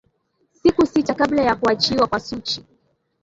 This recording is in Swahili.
siku sita kabla ya kuachiwa kwa suchi